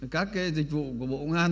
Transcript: các cái dịch vụ của bộ công an